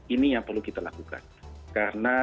ini yang perlu kita lakukan karena